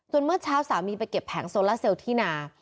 เมื่อเช้าสามีไปเก็บแผงโซล่าเซลที่นา